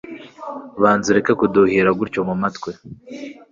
banza ureke kuduhira gutya mu matwi